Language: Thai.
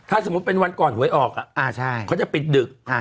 ถ้าสมมุติเป็นวันก่อนหวยออกอ่ะอ่าใช่ค้าจะปิดดึกอ่า